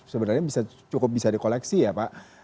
sebenarnya cukup bisa di koleksi ya pak